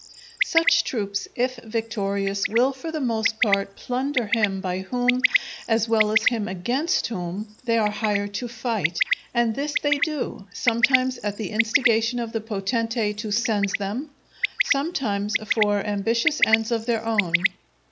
Such troops, if victorious, will for the most part plunder him by whom, as well as him against whom, they are hired to fight; and this they do, sometimes at the instigation of the potentate who sends them, sometimes for ambitious ends of their own.